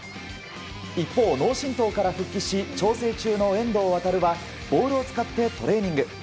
一方、脳しんとうから復帰し調整中の遠藤航はボールを使ってトレーニング。